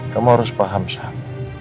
kamu harus paham sam